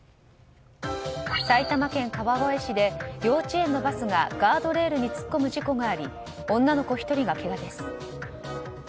埼玉県川越市で幼稚園のバスがガードレールに突っ込む事故があり女の子１人がけがです。